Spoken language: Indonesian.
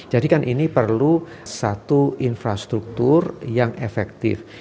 jadi kan ini perlu satu infrastruktur yang efektif